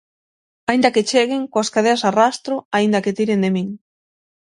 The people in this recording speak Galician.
Aínda que cheguen, coas cadeas a rastro, aínda que tiren de min.